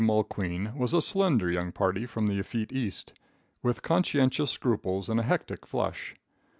Mulqueen was a slender young party from the effete East, with conscientious scruples and a hectic flush.